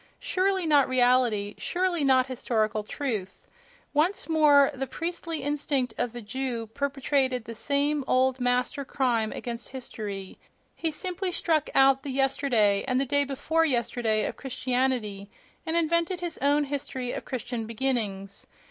Surely not reality; surely not historical truth!... Once more the priestly instinct of the Jew perpetrated the same old master crime against history—he simply struck out the yesterday and the day before yesterday of Christianity, and invented his own history of Christian beginnings.